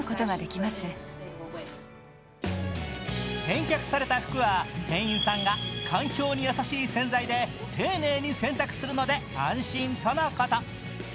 返却された服は店員さんが環境に優しい洗剤で丁寧に洗濯するので安心とのこと。